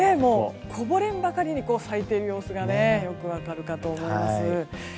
こぼれんばかりに咲いている様子がよく分かるかと思います。